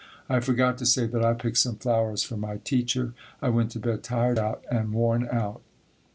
I forgot to say that I picked some flowers for my teacher. I went to bed tired out and worn out."